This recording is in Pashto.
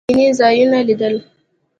تر هغه وروسته ټوله ورځ دیني ځایونه لیدل.